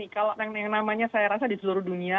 kalau yang namanya saya rasa di seluruh dunia